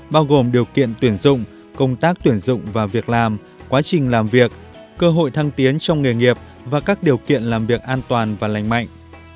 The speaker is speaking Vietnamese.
bao gồm điều kiện tuyển dụng công tác tuyển dụng và việc làm quá trình làm việc cơ hội thăng tiến trong nghề nghiệp và các điều kiện làm việc an toàn và lành mạnh